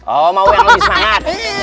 oh mau yang lebih hangat